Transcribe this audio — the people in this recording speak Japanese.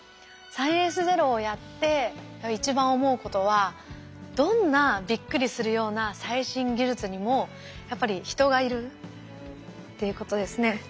「サイエンスＺＥＲＯ」をやって一番思うことはどんなびっくりするような最新技術にもやっぱり人がいるっていうことですね。